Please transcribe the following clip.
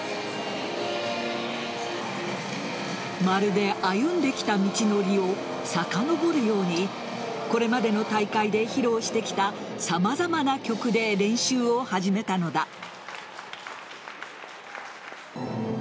まるで、歩んできた道のりをさかのぼるようにこれまでの大会で披露してきた様々な曲で練習を始めたのだ。